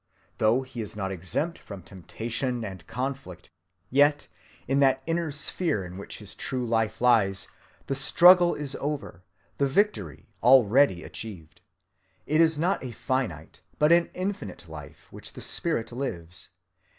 Though he is not exempt from temptation and conflict, [yet] in that inner sphere in which his true life lies, the struggle is over, the victory already achieved. It is not a finite but an infinite life which the spirit lives.